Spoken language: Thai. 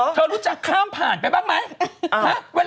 ไม่เคยคิดจะข้ามผ่านอะไรเลย